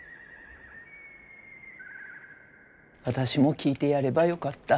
私も聞いてやればよかった。